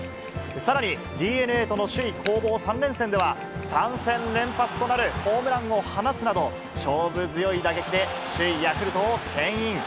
さらに、ＤｅＮＡとの首位攻防３連戦では、３戦連発となるホームランを放つなど、勝負強い打撃で首位ヤクルトをけん引。